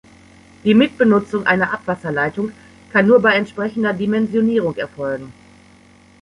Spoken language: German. Die Mitbenutzung einer Abwasserleitung kann nur bei entsprechender Dimensionierung erfolgen.